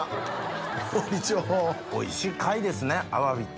おいしい貝ですねアワビって。